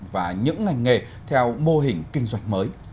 và những ngành nghề theo mô hình kinh doanh mới